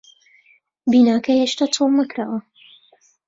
بیناکە هێشتا چۆڵ نەکراوە.